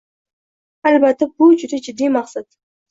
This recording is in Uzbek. Albatta, bu juda jiddiy maqsad.